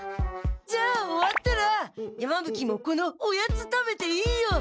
じゃあ終わったら山ぶ鬼もこのおやつ食べていいよ！